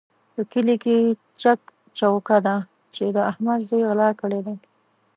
په کلي کې چک چوکه ده چې د احمد زوی غلا کړې ده.